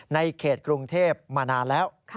ในเขตกรุงเทพมานานแล้ว